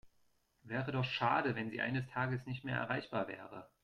Wäre doch schade, wenn Sie eines Tages nicht mehr erreichbar wäre.